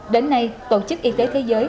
đến nay tổ chức y tế thế giới